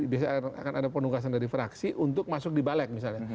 biasanya akan ada penugasan dari fraksi untuk masuk di balek misalnya